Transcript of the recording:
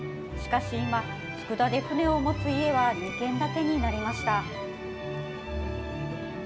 しかし今、佃で船を持つ家は２軒だけになりました。